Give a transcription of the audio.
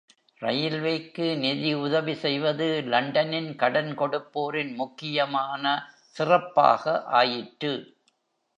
ரயில்வேக்கு நிதி உதவி செய்வது லண்டனின் கடன் கொடுப்போரின் முக்கியமான சிறப்பாக ஆயிற்று.